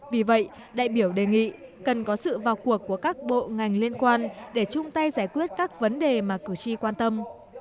vì vậy đại biểu đề nghị cần có sự vào cuộc của các bộ ngành liên quan để chung tay giải quyết các vấn đề mà cử tri quan tâm